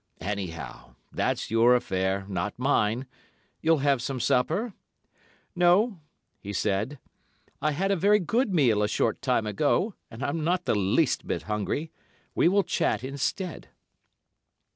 Anyhow, that's your affair, not mine. You'll have some supper?' "'No,' he said; 'I had a very good meal a short time ago, and I'm not the least bit hungry. We will chat instead.